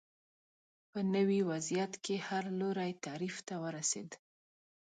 په نوي وضعیت کې هر لوری تعریف ته ورسېد